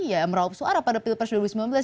ya meraup suara pada pilpres dua ribu sembilan belas